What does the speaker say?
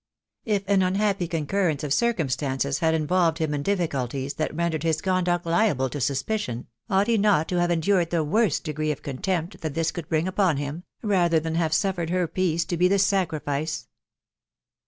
If an unhappy concur rence of circumstances had involved him in difficulties that rendered his conduct liable to suspicion, ought he not to have endured the worst degree of contempt that this could bring upon him, rather than have suffered her peace to be the sacrifice